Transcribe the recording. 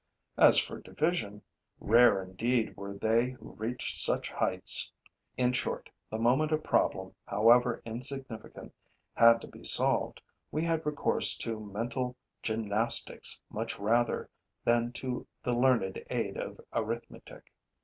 As for division, rare indeed were they who reached such heights. In short, the moment a problem, however insignificant, had to be solved, we had recourse to mental gymnastics much rather than to the learned aid of arithmetic.